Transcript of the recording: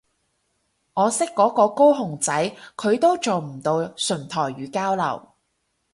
我識嗰個高雄仔佢都做唔到純台語交流